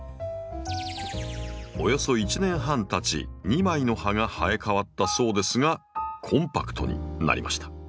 およそ１年半たち２枚の葉が生え変わったそうですがコンパクトになりました。